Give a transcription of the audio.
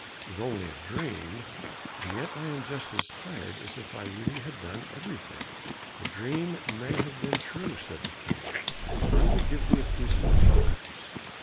It was only a dream, and yet I am just as tired as if I really had done everything." "The dream may have been true," said the King, "I will give thee a piece of advice.